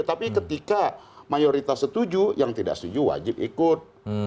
tapi ketika mayoritas setuju yang tidak setuju wajib ikut